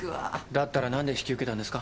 だったら何で引き受けたんですか？